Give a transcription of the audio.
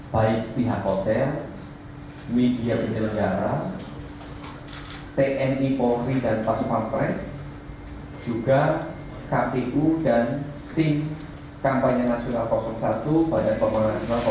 baik pihak hotel bidekara tni polri dan pas pampres juga kpu dan tim kampanye nasional satu dan bpn dua